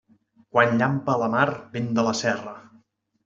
Quan llampa a la mar, vent de la serra.